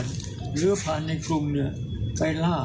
หรือว่าพลานในกรุงเนี่ยไปล่า